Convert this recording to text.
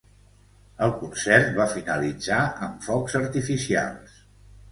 El concert va finalitzar amb focs artificials.